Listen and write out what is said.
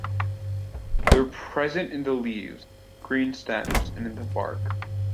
They’re present in the leaves, green stems and in the bark.